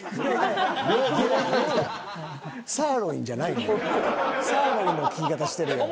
サーロインの聞き方してるやん。